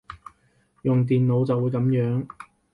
用電腦就會噉樣